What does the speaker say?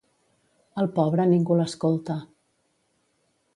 Al pobre, ningú l'escolta.